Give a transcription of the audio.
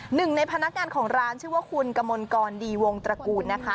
หนึ่งในพนักงานของร้านชื่อว่าคุณกมลกรดีวงตระกูลนะคะ